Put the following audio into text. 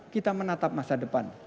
kita menatap masa depan